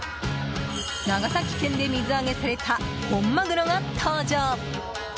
長崎県で水揚げされた本マグロが登場。